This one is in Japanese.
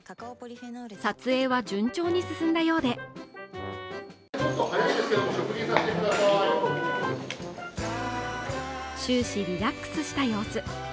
撮影は順調に進んだようで終始、リラックスした様子。